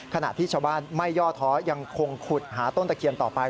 ขณะที่ชาวบ้านไม่ย่อท้อยังคงขุดหาต้นตะเคียนต่อไป